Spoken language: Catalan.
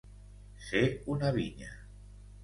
Ser una vinya.